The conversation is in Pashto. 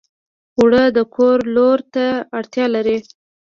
اوړه د کور لور ته اړتیا لري